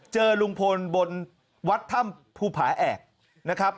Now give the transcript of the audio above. เจอลุงพลบนวัดถ้ำภูผาแอกนะครับ